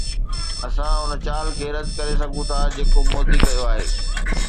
اسان ان چال کي رد ڪري سگهون ٿا جيڪو مودي ڪيو آهي.